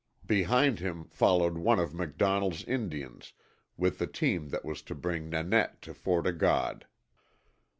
Behind him followed one of MacDonnell's Indians with the team that was to bring Nanette to Fort O' God.